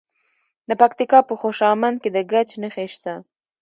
د پکتیکا په خوشامند کې د ګچ نښې شته.